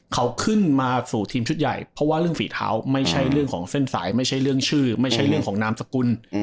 เขาขึ้นมาสู่ทีมชุดใหญ่เพราะว่าเรื่องฝีเท้าไม่ใช่เรื่องของเส้นสายไม่ใช่เรื่องชื่อไม่ใช่เรื่องของนามสกุล